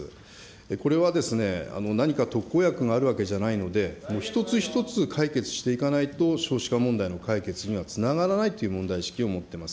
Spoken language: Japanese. これはですね、何か特効薬があるわけじゃないので、もう一つ一つ解決していかないと、少子化問題の解決にはつながらないという問題意識を持ってます。